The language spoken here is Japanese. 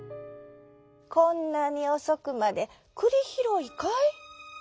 こんなにおそくまでくりひろいかい？」。